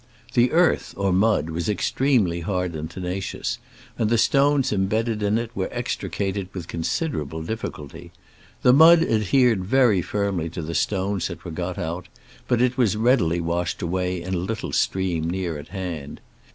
The earth (or mud) was extremely hard and tenacious, and the stones embedded in it were extricated with considerable dif ficulty. The mud adhered very firmly to the stones that were got out, but it was readily washed away in a little stream near at hand.